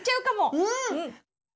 うん！